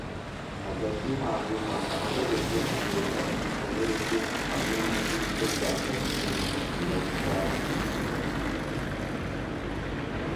hagati hanyuma amaherezo anyereka igikomere cye, hamwe nidirishya rya kabine riracyacitse